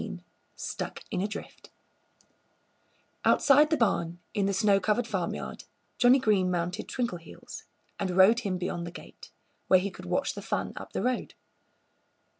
XIV STUCK IN A DRIFT Outside the barn, in the snow covered farmyard, Johnnie Green mounted Twinkleheels and rode him beyond the gate, where he could watch the fun up the road.